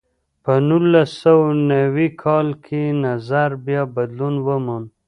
په نولس سوه نوي کال کې نظر بیا بدلون وموند.